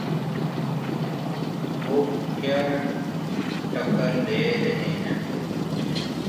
وہ کیا ٹکر لے رہے ہیں؟